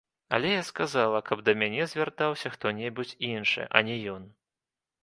Але я сказала, каб да мяне звяртаўся хто-небудзь іншы, а не ён.